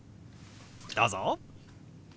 どうぞ！